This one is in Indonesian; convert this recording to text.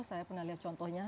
saya pernah lihat contohnya